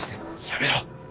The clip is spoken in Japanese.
やめろ。